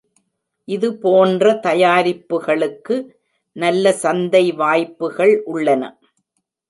இதுபோன்ற தயாரிப்புகளுக்கு நல்ல சந்தை வாய்ப்புகள் உள்ளன.